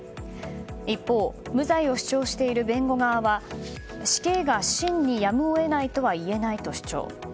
一方、無罪を主張している弁護側は死刑が真にやむを得ないとは言えないと主張。